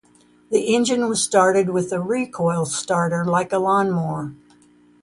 The engine was started with a recoil starter like a lawn mower.